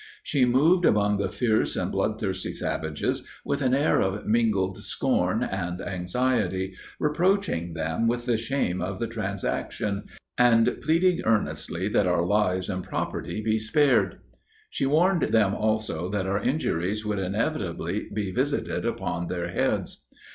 She moved among the fierce and blood thirsty savages, with an air of mingled scorn and anxiety, reproaching them with the shame of the transaction, and pleading earnestly that our lives and property be spared. She warned them, also, that our injuries would inevitably be visited upon their heads.